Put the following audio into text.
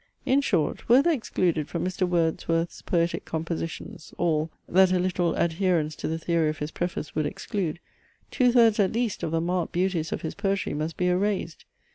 In short, were there excluded from Mr. Wordsworth's poetic compositions all, that a literal adherence to the theory of his preface would exclude, two thirds at least of the marked beauties of his poetry must be erased.